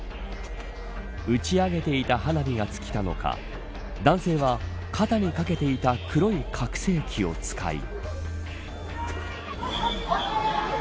打ち上げていた花火が尽きたのか男性は肩に掛けていた黒い拡声器を使い。